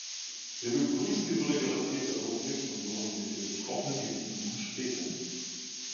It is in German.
Wir begrüßen die Solidarität der Europäische Union mit den betroffenen Gebieten und Städten.